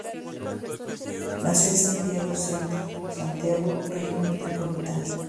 Nació en Santiago Centro, Santiago, Región Metropolitana.